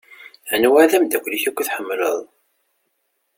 Anwa i d-amdakel-ik akk i tḥemmleḍ?